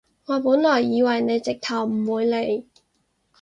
我本來以為你直頭唔會嚟